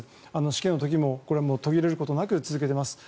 しけの時も途切れることなく続けています。